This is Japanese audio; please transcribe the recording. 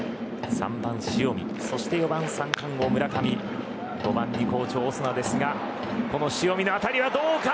３番、塩見そして４番、三冠王、村上５番に好調オスナですがこの塩見の当たりはどうか。